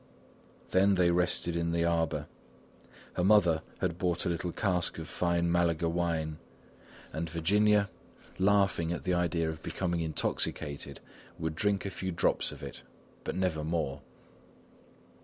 Then they rested in the arbour. Her mother had bought a little cask of fine Malaga wine, and Virginia, laughing at the idea of becoming intoxicated, would drink a few drops of it, but never more.